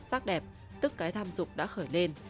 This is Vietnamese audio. sắc đẹp tức cái tham dục đã khởi lên